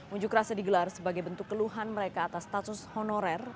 unjuk rasa digelar sebagai bentuk keluhan mereka atas status honorer